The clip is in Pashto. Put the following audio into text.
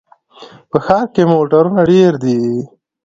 په ښار کې موټرونه ډېر دي.